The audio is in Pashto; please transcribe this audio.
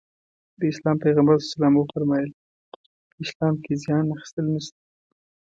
د اسلام پيغمبر ص وفرمايل په اسلام کې زيان اخيستل نشته.